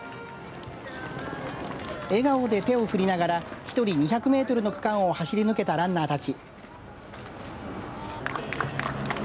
笑顔で手を振りながら１人２００メートルの区間を走り抜けたランナーたち。